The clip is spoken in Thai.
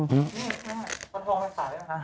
นี่เงี้ยท้องมันตายไหมค่ะ